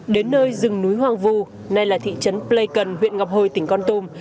đến nơi rừng núi hoàng vu nay là thị trấn pleikon huyện ngọc hồi tỉnh con tùm